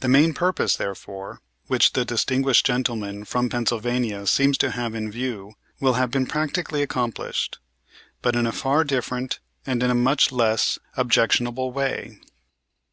The main purpose, therefore, which the distinguished gentleman from Pennsylvania seems to have in view will have been practically accomplished, but in a far different and in a much less objectionable way.